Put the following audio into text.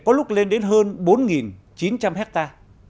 có lúc lên đến hơn bốn chín trăm linh hectare